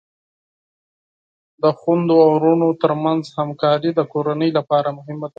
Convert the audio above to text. د خویندو او ورونو ترمنځ همکاری د کورنۍ لپاره مهمه ده.